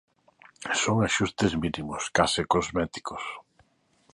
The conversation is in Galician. Son axustes mínimos, case cosméticos.